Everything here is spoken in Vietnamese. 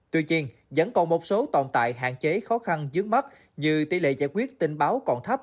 tuy nhiên vẫn còn một số tồn tại hạn chế khó khăn dướng mắt như tỷ lệ giải quyết tình báo còn thấp